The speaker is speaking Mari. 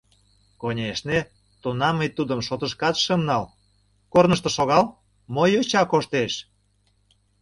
Конешне, тунам мый тудым шотышкат шым нал — корнышто шагал мо йоча коштеш?!